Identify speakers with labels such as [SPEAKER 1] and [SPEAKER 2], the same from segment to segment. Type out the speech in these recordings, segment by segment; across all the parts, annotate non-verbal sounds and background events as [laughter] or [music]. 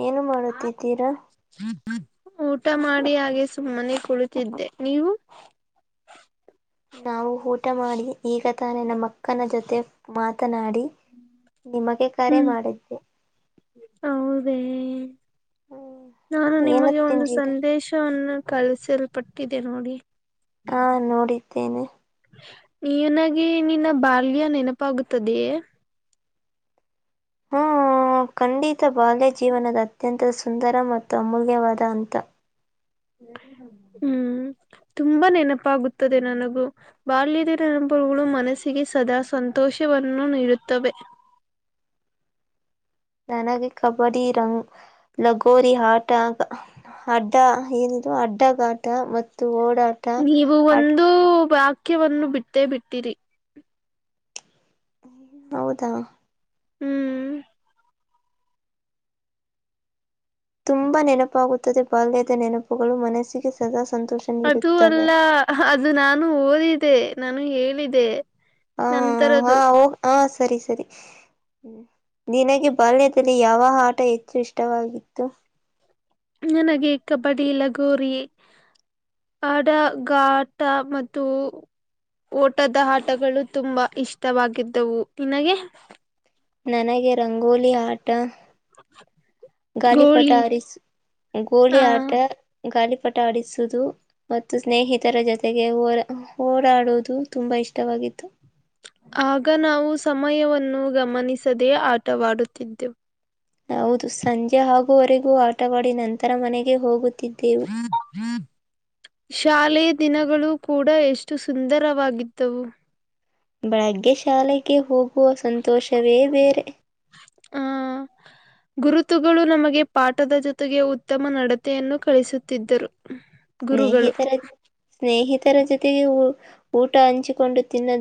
[SPEAKER 1] ಏನು ಮಾಡುತ್ತಿದ್ದೀರಾ? [unintelligible]
[SPEAKER 2] ಊಟ ಮಾಡಿ ಹಾಗೆ ಸುಮ್ಮನೆ ಕುಳಿತಿದ್ದೆ ನೀವು? [unintelligible]
[SPEAKER 1] ನಾವು ಊಟ ಮಾಡಿ ಈಗ ತಾನೆ ನಮ್ಮ ಅಕ್ಕನ ಜೊತೆ ಮಾತ [unintelligible] ಮಾತನಾಡಿ ನಿಮಗೆ ಕರೆ
[SPEAKER 2] ಹ್ಮ್
[SPEAKER 1] ಮಾಡಿದ್ದೆ. [unintelligible]
[SPEAKER 2] ಹೌದೇ? [unintelligible] ನಾನು
[SPEAKER 1] ಏನು
[SPEAKER 2] ನಿಮಗೆ ಒಂದು
[SPEAKER 1] ತಿಂದಿರಿ?
[SPEAKER 2] ಸಂದೇಶವನ್ನು ಕಳಸಿರೂ [unintelligible] ಪಟ್ಟಿದೆ ನೋಡಿ? [unintelligible]
[SPEAKER 1] ಹಾ ನೋಡಿದ್ದೇನೆ. [unintelligible]
[SPEAKER 2] ನೀನಾಗೇ ನಿನ್ನ ಬಾಲ್ಯ ನೆನಪಾಗುತ್ತದೇ [unintelligible]
[SPEAKER 1] ಹೂ [unintelligible] ಹೂ ಖಂಡಿತ ಬಾಲ್ಯ ಜೀವನದ ಅತ್ಯಂತ ಸುಂದರ ಮತ್ತು ಅಮೂಲ್ಯವಾದ ಹಂತ. [unintelligible]
[SPEAKER 2] ಹೂ [unintelligible] ತುಂಬಾ ನೆನಪಾಗುತ್ತದೆ ನನಗೂ ಬಾಲ್ಯದ ನೆನಪಗಳು ಮನಸ್ಸಿಗೆ ಸದಾ ಸಂತೋಷ ತೋಷವನ್ನು ನೀಡುತ್ತವೆ. [unintelligible]
[SPEAKER 1] ನನಗೆ ಕಬಡ್ಡಿ ರಂಗ್ ಲಗೋರಿ ಹಾಟಗಾ [unintelligible] ಆಟ ಏನಿದು ಅಡ್ಡಗಾಟ ಮತ್ತು ಓಟ [unintelligible]
[SPEAKER 2] ನೀವು ಒಂದು ವಾಕ್ಯವನ್ನು ಬಿಟ್ಟೇ ಬಿಟ್ಟಿರಿ. [unintelligible]
[SPEAKER 1] ಹೌದಾ? [unintelligible]
[SPEAKER 2] ಹೂ [unintelligible]
[SPEAKER 1] ತುಂಬಾ ನೆನಪಾಗುತ್ತದೆ ಬಾಲ್ಯದ ನೆನಪುಗಳು ಮನಸ್ಸಿಗೆ ಸದಾ ಸಂತೋಷ
[SPEAKER 2] ಅದು
[SPEAKER 1] ನೀಡುತ್ತವೆ.
[SPEAKER 2] ಅಲ್ಲ ಅದು ನಾನು ಓದಿದೆ ನಾನು ಹೇಳಿದೆ. [unintelligible]
[SPEAKER 1] ಹಾ ಹಾ
[SPEAKER 2] ನಂತರದ್ದು
[SPEAKER 1] ಹ ಹ ಸರಿ ಸರಿ [unintelligible] ಹು ನಿನಗೆ ಬಾಲ್ಯದಲ್ಲಿ ಯಾವ ಹಾಟ ಹೆಚ್ಚು ಇಷ್ಟವಾಗಿತ್ತು. [unintelligible]
[SPEAKER 2] ನನಗೆ ಕಬಡ್ಡಿ ಲಗೋರಿ ಅದಗಾತಾ ಮತ್ತು ಉ [unintelligible] ಓಟದ ಆಟಗಳು ತುಂಬಾ ಇಷ್ಟವಾಗಿದ್ದವು ನಿನಗೆ. [unintelligible]
[SPEAKER 1] ನನಗೆ ರಂಗೋಲಿ ಹಾ ಟ ಗಾಲಿಪಟ
[SPEAKER 2] ಗೋಳಿ
[SPEAKER 1] ಆರಿಸೂ ಗೋಲಿ
[SPEAKER 2] ಆ
[SPEAKER 1] ಆಟ ಗಾಳಿ [unintelligible] ಪಟ ಆಡಿಸುವುದು ಮತ್ತು ಸ್ನೇಹಿತರ ಜೊತೆಗೆ ಓಡಾಡುವುದು ತುಂಬಾ ಇಷ್ಟವ ಇತ್ತು
[SPEAKER 2] ಆಗ ನಾವು ಸಮಯವನ್ನು ಗಮನಿಸದೇ ಆಟವಾಡುತ್ತಿದ್ದೆವು
[SPEAKER 1] ಹೌದು ಸಂಜೆ ಹಾಗೂುವರೆಗೂ ಆಟವಾಡಿ ನಂತರ ಮನೆಗೆ ಹೋಗುತ್ತ ಯದ್ದೇವು
[SPEAKER 2] ಶಾಲೆಯ ದಿನಗಳು ಕೂಡ ಎಷ್ಟು ಸುಂದರವಾಗಿದ್ದವು
[SPEAKER 1] ಬೆಳಗ್ಗೆ ಶಾಲೆಗೆ ಹೋಗುವ ಸಂತೋಷವೇ ಬೇರೆ
[SPEAKER 2] ಆ ಗುರುತುಗಳು ನಮಗೆ ಪಾಠದ ಜೊತೆಗೆ ಉತ್ತಮ ನಡತೆಯನ್ನು ಕಳಿಸುತ್ತಿದ್ದರು ಗುರುಗಳು
[SPEAKER 1] ಸ್ನೇಹಿತರ ಸ್ನೇಹಿತ ಇದರ ಜೊತೆಗೆ ಊಟ ಹಂಚಿಕೊಂಡು ತಿನ್ನ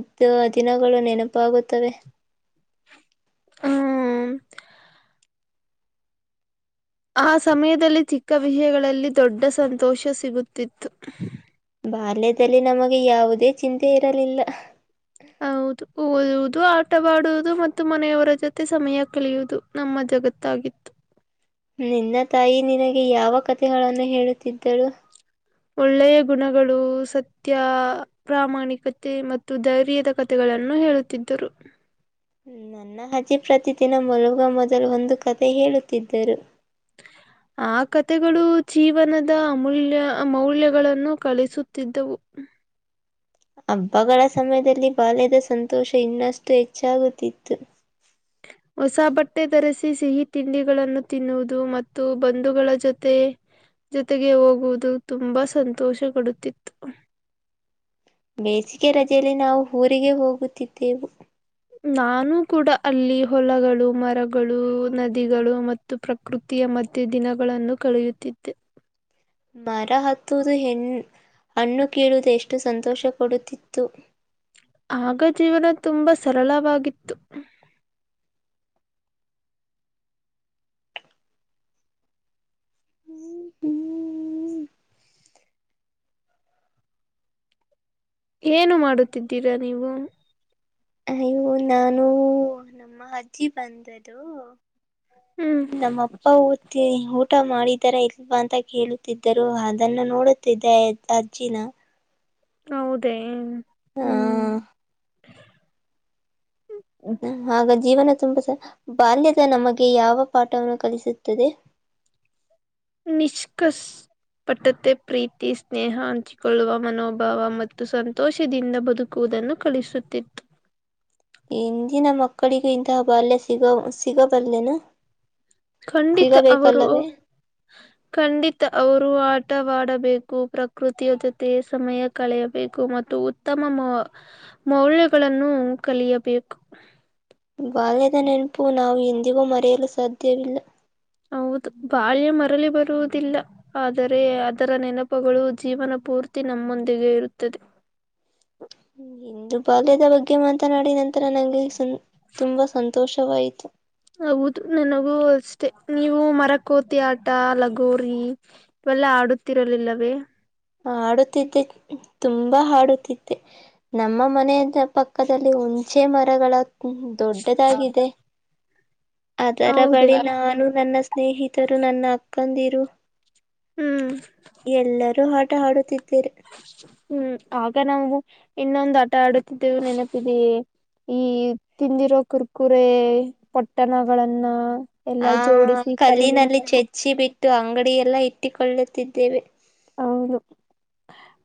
[SPEAKER 1] ದಿನಗಳು ನೆನಪಾಗುತ್ತವೆ
[SPEAKER 2] ಹು ಆ ಸಮಯದಲ್ಲಿ ಚಿಕ್ಕ ವಿಷಯಗಳಲ್ಲಿ ದೊಡ್ಡ ಸಂತೋಷ ಸಿಗುತ್ತಿತ್ತು
[SPEAKER 1] ಬಾಲ್ಯದಲ್ಲಿ ನಮಗೆ ಯಾವುದೇ ಚಿಂತೆ ಇರಲಿಲ್ಲ
[SPEAKER 2] ಹೌದು ಹಓದದು ಆಟವಾಡುವುದು ಮತ್ತು ಮನೆಯವರ ಜೊತೆ ಸಮಯ ಕಲಿಯುವುದು ನಮ್ಮ ಜಗತ್ತಾಗಿತ್ತು
[SPEAKER 1] ನಿನ್ನ ತಾಯಿ ನಿನಗೆ ಯಾವ ಕಥೆಗಳನ್ನು ಹೇಳುತ್ತಿದ್ದಳು
[SPEAKER 2] ಒಳ್ಳೆಯ ಗುಣಗಳು ಸತ್ಯ ಪ್ರಾಮಾಣಿಕತೆ ಮತ್ತು ಧೈರ್ಯದ ಕಥೆಗಳು ಹೇಳುತ್ತಿದ್ದರು
[SPEAKER 1] ನನ್ನ ಹಜೆ ಪ್ರತಿದಿನ ಮಲಗ ಮೊದಲು ಒಂದು ಕತೆೆ ಹೇಳುತ್ತಿದ್ದರು
[SPEAKER 2] ಆ ಕಥೆಗಳು ಜೀವನದ ಅಮೂಲ್ಯ ಮೌಲ್ಯಗಳನ್ನು ಕಳಿಸುತ್ತಿದ್ದವು
[SPEAKER 1] ಹಬ್ಬಗಳ ಸಮಯದಲ್ಲಿ ಬಾಲ್ಯದ ಸಂತೋಷ ಇನ್ನಷ್ಟು ಹೆಚ್ಚಾಗುತ್ತಿತ್ತು
[SPEAKER 2] ಹೊಸ ಬಟ್ಟೆ ಧರಿಸಿ ಸಿಹಿ ತಿಂಡಿಗಳನ್ನು ತಿನ್ನುವುದು ಮತ್ತು ಬಂಧುಗಳ ಜೊತೆ ಜೊತೆಗೆ ಹೋಗುವುದು ತುಂಬಾ ಸಂತೋಷ ಕೊಡುತ್ತಿತ್ತು.
[SPEAKER 1] ಬೇಸಿಗೆ ರಜೆಯಲ್ಲಿ ನಾವು ಊರಿಗೆ ಹೋಗುತ್ತಿದ್ದೆವು.
[SPEAKER 2] ನಾನು ಕೂಡ ಅಲ್ಲಿ ಹೊಲಗಳು ಮರಗಳು ನದಿಗಳು ಮತ್ತು ಪ್ರಕೃತಿಯ ಮತ್ತೆ ದಿನಗಳನ್ನು ಕಳೆಯುತ್ತಿದ್ದತ್ತು.
[SPEAKER 1] ಮರ ಹತ್ತುವುದು ಹೆಣ ಹಣ್ಣು ಕೀಳುವುದು ಎಷ್ಟು ಸಂತೋಷ ಕೊಡುತ್ತಿತ್ತು.
[SPEAKER 2] ಆಗ ಜೀವನ ತುಂಬಾ ಸರಳವಾಗಿತ್ತು.
[SPEAKER 1] ಹ್ಮ ಹ್ಮ
[SPEAKER 2] ಏನು ಮಾಡುತ್ತಿದ್ದೀರಾ ನೀವು
[SPEAKER 1] ಅಯ್ಯೋ ನಾನು ನಮ್ಮ ಅಜ್ಜಿ ಬಂದ್ದು
[SPEAKER 2] ಹ್ಮ್
[SPEAKER 1] ನಮ್ಮ ಅಪ್ಪ ಊತಿ ಊ ಊಟ ಮಾಡಿದರ ಇಲ್ವಾ ಅಂತ ಕೇಳುತ್ತಿದ್ದರು ಅದನ್ನು ನೋಡುತ್ತಿದ್ದೆ ಅಜ್ಜಿನ
[SPEAKER 2] ಹೌದೇ
[SPEAKER 1] ಆ
[SPEAKER 2] ಹ್ಮ್
[SPEAKER 1] ಹಾಗ ಜೀವನ ತುಂಬ ಸ ಬಾಲ್ಯದ ನಮಗೆ ಯಾವ ಪಾಠವನ್ನು ಕಲಿಸುತ್ತದೆ
[SPEAKER 2] ನಿಷ್ಕಷ ಪಟ್ಟತ್ತ ಪ್ರೀತಿ ಸ್ನೇಹ ಹಂಚಿಕೊಳ್ಳುವ ಮನೋಭಾವ ಮತ್ತು ಸಂತೋಷದಿಂದ ಬದುಕುವುದು. ನ್ನು ಕಳಿಸುತ್ತಿತ್ತು.
[SPEAKER 1] ಇಂದಿನ ಮಕ್ಕಳಿಗೂ ಇಂತಹ ಬಾಲ್ಯ ಸಿಗ ಸಿಗಬಲ್ಲಲ್ಲೇನಾ
[SPEAKER 2] ಖಂಡಿತ ಅವರು ಖಂಡಿತ ಅವರು ಆಟ ವಡಬೇಕು ಪ್ರಕೃತಿಯ ಜೊತೆ ಸಮಯ ಕಳೆಯಬೇಕು ಮತ್ತು ಉತ್ತಮ ಮ ಮೌಲ್ಯಗಳನ್ನು ಕಲಿಯಬೇಕು
[SPEAKER 1] ಬಾಲ್ಯದ ನೆನಪು ನಾವು ಎಂದಿಗೂ ಮರೆಯಲು ಸಾಧ್ಯವಿಲ್ಲ
[SPEAKER 2] ಬಾಳ್ಯ ಮರಳ ಬರುವುದಿಲ್ಲ ಆದರೆ ಅದರ ನೆನಪುಗಳು ಜೀವನ ಪೂರ್ತಿ ನ ನಮ್ಮೊಂದಿಗೆ ಇರುತ್ತದೆ.
[SPEAKER 1] ಹೇಳಿ ಇಂದು ಬಾಲ್ಯದ ಬಗ್ಗೆ ಮಾತನಾಡಿ ನಂತರ ನಂಗೆ ಸುಂ ತುಂಬಾ ಸಂತೋಷವಾಯಿತು.
[SPEAKER 2] ಹೌದು ನನಗೂ ಅಷ್ಟೆ ನೀವು ಮರಕೋತಿ ಆಟ ಲಗೋರಿ ವೆಲ್ಲ ಆಡುತ್ತಿರಲಿಲ್ಲವೇ.
[SPEAKER 1] ಆಡುತ್ತಿದ್ದೆ ತುಂಬಾ ಹಾಡುತ್ತಿದ್ದೆ ನಮ್ಮ ಮನೆಯ ಪಕ್ಕದಲ್ಲಿ ಹುಂಚೆ ಮರಗಳ ದೊಡ್ಡದಾಗಿದೆ. ಅದರ
[SPEAKER 2] ಹೌದೇ
[SPEAKER 1] ಬಳಿ ನಾನು ನನ್ನ ಸ್ನೇಹಿತರು ನನ್ನ ಅಕ್ಕಂದಿರು.
[SPEAKER 2] ಹ್ಮ್
[SPEAKER 1] ಎಲ್ಲರೂ ಆಟ ಆಡುತ್ತಿದ್ದೀರಿ.
[SPEAKER 2] ಹ್ಮ್ ಆಗ ನಾವು ಇನ್ನೊಂದು ಆಟ ಆಡುತ್ತಿದ್ದೆವು ನೆನಪಿದೆಯೇ. ಈ ತಿಂದಿರೋ ಕುರ್ಕುರೆ ಪೊಟ್ಟಣಗಳನ್ನ. ಎಲ್ಲಾ
[SPEAKER 1] ಆ
[SPEAKER 2] ಜೋಡಿಸಿ
[SPEAKER 1] ಕಲ್ಲಿನಲ್ಲಿ
[SPEAKER 2] ಕಲ್ಲಿಂದ ಕು
[SPEAKER 1] ಚೆಚ್ಚಿ ಬಿಟ್ಟು ಅಂಗಡಿ ಎಲ್ಲ ಇಟ್ಟಿಕೊಳ್ಳುತ್ತಿದ್ದೇವೆ.
[SPEAKER 2] ಹೌದು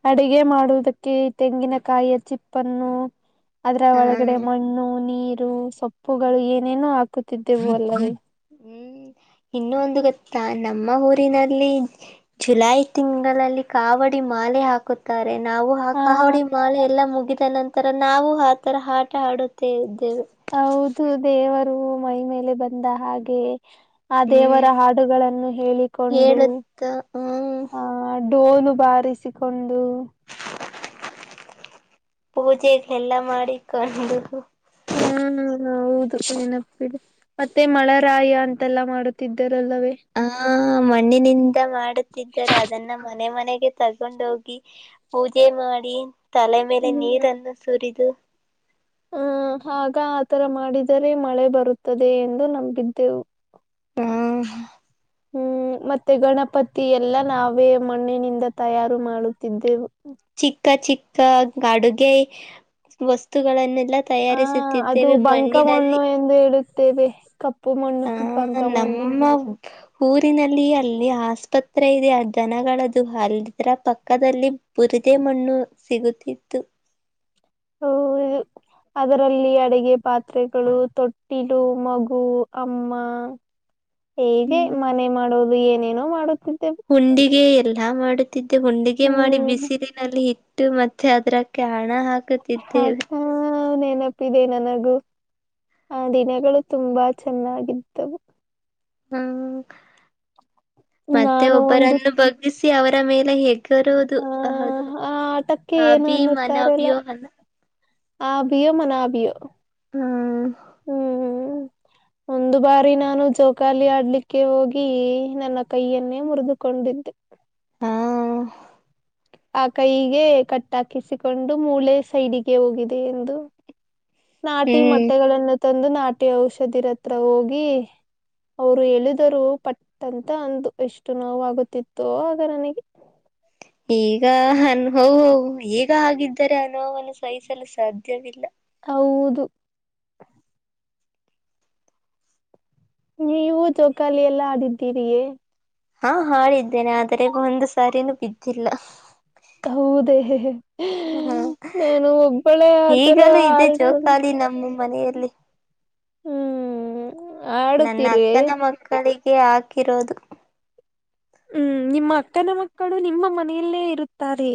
[SPEAKER 2] ಅಡಿಗೆ ಮಾಡುವುದಕ್ಕೆ. ಕೆ ತೆಂಗಿನಕಾಯಿಯ ಚಿಪ್ಪನ್ನು ಅದರ ಒಳಗಡೆ
[SPEAKER 1] ಆ.
[SPEAKER 2] ಮಣ್ಣು ನೀರ್ ರು ಸೊಪ್ಪುಗಳು ಏನೇನೋ ಹಾಕುತ್ತಿದ್ದೆವು ಅಲ್ಲವೇ.
[SPEAKER 1] ಹ್ಮ್ ಇನ್ನು ಒಂದು ಗೊತ್ತಾ ನಮ್ಮ ಊರಿನಲ್ಲಿ ಜುಲೈ ತಿಂಗಳಲ್ಲಿ ಕಾವಡಿ ಮ ಮಾಲೆ ಹಾಕುತ್ತಾರೆ. ರೆ ನಾವು ಆ
[SPEAKER 2] ಹಾ
[SPEAKER 1] ಕಹಡಿ ಮಾಲೆ ಎಲ್ಲ ಮುಗಿದ ನಂತರ ನಾವು ಆತರ ಆಟ ಆಡುತ್ತೇ ಇದ್ದೆವು
[SPEAKER 2] ಹೌದು ದೇವರು ಮೈ ಮೇಲೆ ಬಂದ ಹಾಗೆ. ಆ ದೇವರ
[SPEAKER 1] ಹ್ಮ್
[SPEAKER 2] ಹಾಡುಗಳನ್ನು ಹೇಳಿಕೊಂಡು
[SPEAKER 1] ಹೇಳುತ್ತ ಹ್ಮ್
[SPEAKER 2] ಆ ಡೋಲು ಬಾರಿಸಿಕೊಂಡು.
[SPEAKER 1] ಪೂಜೆಗೆ ಎಲ್ಲ ಮಾಡಿ ಕೊಂಡು.
[SPEAKER 2] ಹ್ಮ್ ಹೌದು ನೆನಪಿದೆ ಮತ್ತೆ ಮಳರಾಯ ಅಂತೆಲ್ಲಾ ಮಾಡುತ್ತಿದ್ದ
[SPEAKER 1] ಹಾ ಮಣ್ಣಿನಿಂದ ಮಾಡುತ್ತಿದ್ದರ ಅದನ್ನ ಮನೆ ಮನೆ ಏ ತಗೊಂಡೋಗಿ ಪೂಜೆ ಮಾಡಿ ತಲೆ ಮೇಲೆ ನೀರನ್ನು ಸುರಿದು-
[SPEAKER 2] ಹ್ಮ ಆಗ ಆತರ ಮಾಡಿದರೆ ಮಳೆ ಬರುತ್ತದೆ ಎಂದು ನಂಬಿದ್ದೆವು.
[SPEAKER 1] ಹ್ಮ್
[SPEAKER 2] ಹ್ಮ್ ಮತ್ತೆ ಗಣಪತಿ ಎಲ್ಲ ನಾವೇ ಮಣ್ಣಿನಿಂದ ತಯಾರು ಮಾಡುತ್ತಿದ್ದೆವು.
[SPEAKER 1] ಚಿಕ್ಕ ಚಿಕ್ಕ ಅಡುಗೆ ವಸ್ತುಗಳನ್ನು
[SPEAKER 2] ಹ ಅದು ಬಂಕ ಮಣ್ಣು ಎಂದು ಹೇಳು ತ್ತೇವೆ ಕಪ್ಪು ಮಣ್ಣು
[SPEAKER 1] ಆ
[SPEAKER 2] ಬಂಕ ಮಣ್ಣು.
[SPEAKER 1] ನಮ್ಮ ಊರಿನಲ್ಲಿ ಅಲ್ಲಿ ಆಸ್ಪತ್ರೆ ಇದೆ ಆ ದನಗಳದುು ಹಲಿದ್ರಾ ಪಕ್ಕದಲ್ಲಿ ಪುದುದೇ ಮಣ್ಣು ಸಿಗುತ್ತಿತ್ತು.
[SPEAKER 2] ಹ ಅದರಲ್ಲಿ ಅಡಗೆ ಪಾತ್ರೆಗಳು ತೊಟ್ಟಿಲು ಮಗು ಅಮ್ಮ. ಹೀಗೆ
[SPEAKER 1] ಹ್ಮ್
[SPEAKER 2] ಮನೆ ಮಾಡೋದು ಏನೇನೋ ಮಾಡುತ್ತಿ
[SPEAKER 1] ಹುಂಡಿಗೆ ಎಲ್ಲಾ ಮಾಡುತ್ತಿದ್ದೆ ಹುಂಡಿಗೆ ಮಾಡಿ
[SPEAKER 2] ಹ್ಮ್
[SPEAKER 1] ಬಿಸಿಲಿನಲ್ಲಿ ಇ ಇಟ್ಟು ಮತ್ತೆ ಅದ್ರಕ್ಕೆ ಹಣ ಹಾಕ
[SPEAKER 2] ಹತಾ ನೆನಪಿದೆ ನನಗೆ. ಗು ಆ ದಿನಗಳು ತುಂಬಾ ಚೆನ್ನಾಗಿದ್ದವು.
[SPEAKER 1] ಹ್ಮ್ ಮತ್ತೆ
[SPEAKER 2] ನಾನು ಒಂದು
[SPEAKER 1] ಒಬ್ಬರನ್ನು ಬಗ್ಗಿಸಿ ಅವರ ಮೇಲೆ ಹೆಗ್ ಎಗರುವುದೂ
[SPEAKER 2] ಆ
[SPEAKER 1] ಹೌದು
[SPEAKER 2] ಆ ಆಟಕ್ಕೆ ಏನು
[SPEAKER 1] ಅಭಿಮನ
[SPEAKER 2] ಅನ್ನುತ್ತಾರೆಲ್ಲ
[SPEAKER 1] ಅಭಿಯೋ ಅನ್ನ
[SPEAKER 2] ಆ ಬಿಯೋ ಮನಾಬಿಯೋ.
[SPEAKER 1] ಹ್ಮ್
[SPEAKER 2] ಹ್ಮ್ ಒಂದು ಬಾರಿ ನಾನು ಜೋಕಾಲಿ ಆಡ್ಲಿಕ್ಕೆ ಹೋಗಿ ನನ್ನ ಕೈಯನ್ನೇ ಮುರಿದುಕೊಂಡಿದ್ದೆ.
[SPEAKER 1] ಹ್ಮ
[SPEAKER 2] ಆ ಕೈಗೆ ಕಟ್ ಹಾಕಿಸಿಕೊಂಡು ಮೂಳೆ ಸೈಡಿಗೆ ಹೋಗಿದೆ ಎಂದು.
[SPEAKER 1] [inaudible]
[SPEAKER 2] ನಾಟಿ
[SPEAKER 1] ಹ್ಮ್
[SPEAKER 2] ಮೊಟ್ಟೆಗಳನ್ನು ತಂದು ನಾಟಿ ಔಷಧಿರ ಹತ್ರ ಹೋಗಿ. ಅವರು ಎಳಿದರು ಪಟ್ಟಂತ ಅಂದು ಎಷ್ಟು ನೋವು ಆಗುತ್ತಿತ್ತೊ ಆಗ ನನಗೆ.
[SPEAKER 1] [inaudible] ಈಗ ಹ ಹ ಈಗ ಆಗಿದ್ದರೆ ಅನುಭವನ್ನು ಸಹಿಸಲು ಸಾಧ್ಯವಿಲ್ಲ
[SPEAKER 2] ಹೌದು ನೀವು ಜೋಕಾಲಿ ಎಲ್ಲಾ ಆಡಿದ್ದೀರಿಯೇ
[SPEAKER 1] ಹಾ ಹಾಿದ್ದೇನೆ ಆದೆ ಒಂದು್ ಸಾರಿನೂ ಬಿದ್ದಿಲ್ಲ
[SPEAKER 2] ಹೌದ
[SPEAKER 1] ಹ
[SPEAKER 2] ನಾನು ಒಬ್ಬಳೆ ಆತರ
[SPEAKER 1] ಈಗಲೂ ಇದೆ
[SPEAKER 2] ಆಳಿಕಂಟ
[SPEAKER 1] ಜೋಕಾಲಿ ನಮ್ಮ ಮನೆಯಲ್ಲಿ
[SPEAKER 2] ಹ್ಮ್
[SPEAKER 1] ನನ್ನ
[SPEAKER 2] ಆಡುತ್ತೀರಿ
[SPEAKER 1] ಅಕ್ಕನ ಮಕ್ಕಳಿಗೆ ಹಾಕಿರೋದು
[SPEAKER 2] ಹ್ಮ್ ನಿಮ್ಮ ಅಕ್ಕನ ಮಕ್ಕಳು ನಿಮ್ಮ ಮನೆಯಲ್ಲೇ ಇರುತ್ತಾರೇ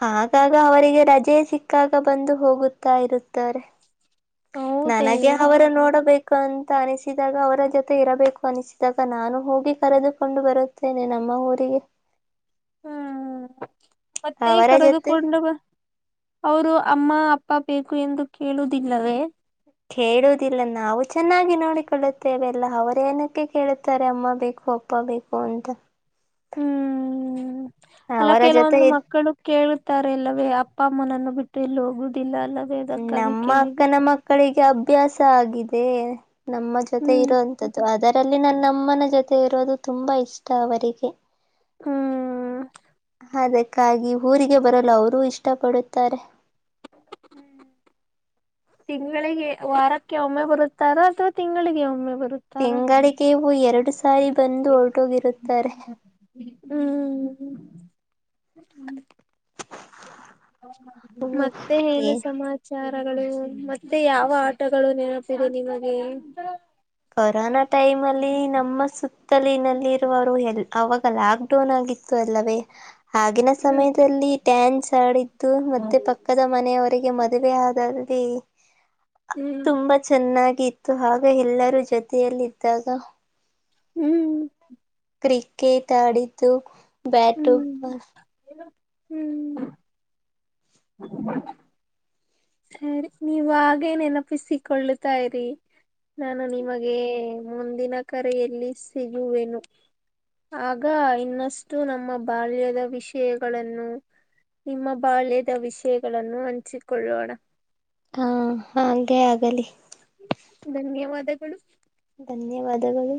[SPEAKER 1] ಹಾಗಾಗ ಅವರಿಗೆ ರಜೆ ಸಿಕ್ಕಾಗ ಬಂದು ಹೋಗುತ್ತಾ ಇರುತ್ತಾರೆ
[SPEAKER 2] ಹೌದೇ
[SPEAKER 1] ನನಗೆ ಅವರು ನೋಡಬೇಕು ಅಂತ ಅನಿಸಿದಾಗ ಅವರ ಜೊತೆ ಇರಬೇಕು ಅನಿಸಿದಾಗ ನಾನು ಹೋಗಿ ಕರೆದುಕೊಂಡು ಬರುತ್ತೇನೆ ನಮ ಅಮ್ಮ ಊರಿಗೆರಿಗೆ
[SPEAKER 2] ಹ್ಮ್ ಮತ್ತೆ
[SPEAKER 1] ಅವರ ಜೊತೆ
[SPEAKER 2] ಕರೆದುಕೊಂಡುವ ಅವರು ಅಮ್ಮ ಅಪ್ಪ ಬೇಕು ಎಂದು ಕೇಳುವುದಿಲ್ಲವೇ
[SPEAKER 1] ಕೇಳುದಿಲ್ಲ ನಾವು ಚೆನ್ನಾಗಿ ನೋಡಿಕೊಳ್ಳುತ್ತೆ ೇವೆಲ್ಲ ಅವರೇಏನಕ್ಕೆ ಕೇಳುತ್ತಾರೆ ಅಮ್ಮ ಬೇಕು ಅಪ್ಪ ಬೇಕು ಅಂತ
[SPEAKER 2] ಹ್ಮ್ ಅಲ್ಲ
[SPEAKER 1] ಅವರ ಜೊತೆ
[SPEAKER 2] ಕೆಲವೊಂದು ಮಕ್ಕಳು ಕೇಳ ಇತ ಅಲ್ಲವೇ ಅಪ್ಪ ಅಮ್ಮನನ್ನು ಬಿಟ್ಟು ಎಲ್ಲಿ ಹೋಗುದಿಲ್ಲ ಅಲ್ಲವ
[SPEAKER 1] ನಮ್ಮ ಅಕ್ಕನ ಮಕ್ಕಳಿಗೆ ಅಭ್ಯಾಸ ಆಗಿದೆ ನಮ್ಮ ಜೊತೆ
[SPEAKER 2] ಹ್ಮ್
[SPEAKER 1] ಇರುವೋಂಂತದ್ದು ಅ ಲ್ಲಿ ನನ್ನಮ್ಮನ ಜೊತೆ ಇರೋದು ತುಂಬಾ ಇಷ್ಟ ಅವರಿಗೆ
[SPEAKER 2] ಹ್ಮ್
[SPEAKER 1] ಅದಕ್ಕಾಗಿ ಊರಿಗೆ ಬರಲು ಅವರು ಇಷ್ಟ ಪಡುತ್ತಾರೆ.
[SPEAKER 2] ತಿಂಗಳಿಗೆ ವಾರಕ್ಕೆ ಒಮ್ಮೆ ಬರುತ್ತಾರೋ ಅಥವಾ ತಿಂಗಳಿಗೆ ಒಮ್ಮೆ ಬರುತ್ತಾರಾ
[SPEAKER 1] ತಿಂಗಳಿಗೊ ಎರಡು ಸಾರಿ ಬಂದು ಹೊರಟೋಗಿರುತ್ತಾರೆ.
[SPEAKER 2] ಹ್ಮ್ ಮತ್ತೆ ಏನು
[SPEAKER 1] ಏನ್
[SPEAKER 2] ಸಮಾಚಾರ ಮತ್ತೆ ಯಾವ ಆಟಗಳು ನೆನಪಿದೆ ನಿಮಗೆ
[SPEAKER 1] ಕೊರೋನಾ ಟೈಮ್ಲ್ಲಿ ನಮ್ಮ ಸುತ್ತಲಿನಲ್ಲಿರುವವರು ಹೆಲ್ ಅವಾಗ ಲಾಕ್ ಡೌನ್ ಆಗಿತ್ತು ಅಲ್ಲವೇ ಆಗಿನ
[SPEAKER 2] ಹ್ಮ್
[SPEAKER 1] ಸಮಯದಲ್ಲಿ ಟ್ಯಾನ್ಸ್ ಆಡಿದ್ದು ಮತ್ತೆ ಪಕ್ಕದ ಮನೆಯವರಿಗೆ ಮದುವೆ ಆದಲ್ಲಿ ತುಂಬಾ ಚೆನ್ನಾಗಿತ್ತು ಹಾಗ ಎಲ್ಲರೂ ಜೊತೆಯಲ್ಲಿದ್ದಾಗ
[SPEAKER 2] ಹ್ಮ್
[SPEAKER 1] ಕ್ರಿಕೆಟ್ ಆಡಿದ್ದು
[SPEAKER 2] ಹ್ಮ್
[SPEAKER 1] ಬ್ಯಾಟಬಲ್
[SPEAKER 2] ಹ್ಮ್ ಹ್ಮ್ ತ ಸರಿ ನೀವ ಆಗೇ ನೆನಪಿಸಿಕೊಳ್ಳತಾಯ್ರರಿ ನಾನು ನಿಮಗೆ ಮುಂದಿನ ಕರೆಯಲ್ಲಿ ಸಿಗುವೆನು ಆಗ ಇನ್ನಷ್ಟು ನಮ್ಮ ಬಾಲ್ಯದ ವಿಷಯಗಳನ್ನು ನಿಮ್ಮ ಬಾಳಯದ ವಿಷಯಗಳನ್ನು ಹಂಚಿಕೊಳ್ಳೋಣ
[SPEAKER 1] ಹಾ ಹಾಗೆ ಆಗಲಿ
[SPEAKER 2] ಧನ್ಯವಾದಗಳು
[SPEAKER 1] ಧನ್ಯವಾದಗಳು